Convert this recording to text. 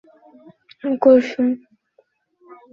কতকগুলি জিনিষের প্রতি আমাদের বিদ্বেষ এবং কতকগুলির প্রতি আকর্ষণ আছে।